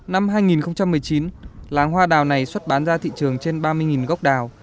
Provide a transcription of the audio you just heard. năm hai nghìn một mươi chín làng hoa đào này xuất bán ra thị trường trên ba mươi gốc đào